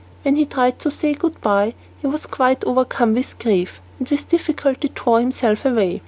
When he tried to say good bye he was quite overcome with grief, and with difficulty tore himself away.